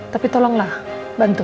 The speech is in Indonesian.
tapi tolonglah bantu